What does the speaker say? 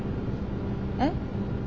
えっ？